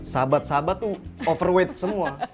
sahabat sahabat tuh overweight semua